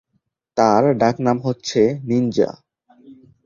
তার ডাকনাম হচ্ছে "নিনজা"।